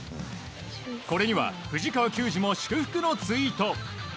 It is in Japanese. これには藤川球児も祝福のツイート。